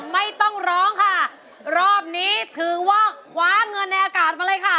ไม่ต้องร้องค่ะรอบนี้ถือว่าคว้าเงินในอากาศมาเลยค่ะ